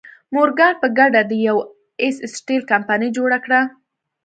مورګان په ګډه د یو ایس سټیل کمپنۍ جوړه کړه.